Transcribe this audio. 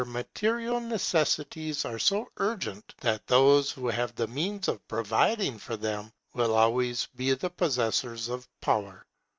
Our material necessities are so urgent, that those who have the means of providing for them will always be the possessors of power.